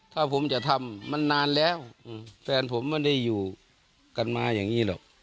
ถ้าผมจะทำมันนานแล้วแฟนผมไม่ได้อยู่กันมาอย่างนี้หรอก